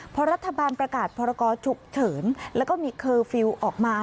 พอรัฐบาลประกาศพรกรฉุกเฉินแล้วก็มีเคอร์ฟิลล์ออกมา